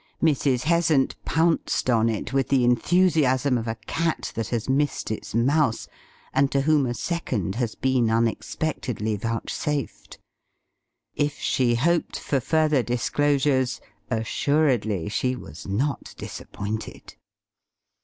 Mrs. Heasant pounced on it with the enthusiasm of a cat that has missed its mouse and to whom a second has been unexpectedly vouchsafed. If she hoped for further disclosures assuredly she was not disappointed.